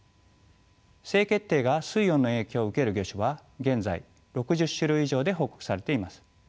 性決定が水温の影響を受ける魚種は現在６０種類以上で報告されています。